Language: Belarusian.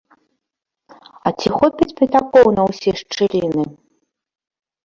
А ці хопіць пятакоў на ўсе шчыліны?